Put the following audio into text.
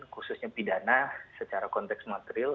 khususnya pidana secara konteks material